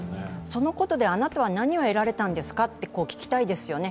そのことであなたは何を得られたんですかって聞きたいですよね。